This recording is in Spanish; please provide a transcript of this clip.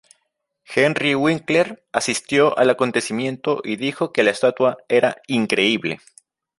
Henry Winkler asistió al acontecimiento y dijo que la estatua era "increíble".